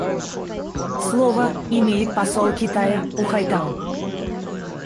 Слово имеет посол Китая У Хайтао.